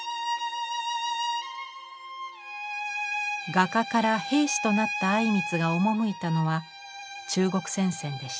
画家から兵士となった靉光が赴いたのは中国戦線でした。